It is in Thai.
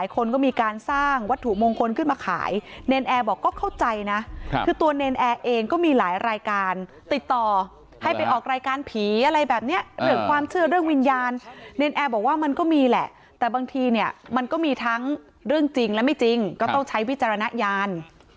คนก็มีการสร้างวัตถุมงคลขึ้นมาขายเนรนแอร์บอกก็เข้าใจนะคือตัวเนรนแอร์เองก็มีหลายรายการติดต่อให้ไปออกรายการผีอะไรแบบนี้เรื่องความเชื่อเรื่องวิญญาณเนรนแอร์บอกว่ามันก็มีแหละแต่บางทีเนี่ยมันก็มีทั้งเรื่องจริงและไม่จริงก็ต้องใช้วิจารณญาณ